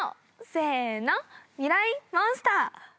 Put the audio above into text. せーのミライ☆モンスター。